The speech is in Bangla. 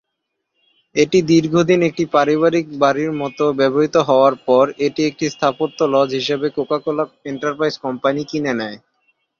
এটি দীর্ঘদিন একটি পারিবারিক বাড়ির মত ব্যবহৃত হওয়ার পর, এটি একটি স্থাপত্য লজ হিসাবে কোকা কোলা এন্টারপ্রাইজ কোম্পানি কিনে নেয়।